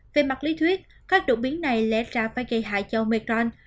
về mặt lý thuyết các đột biến này lẽ ra phải gây hại cho mecron